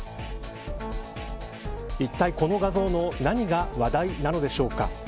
いったいこの画像の何が話題なのでしょうか。